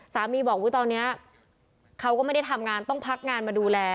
สามีบอกตอนนี้เขาก็ไม่ได้ทำงานต้องพักงานมาดูแล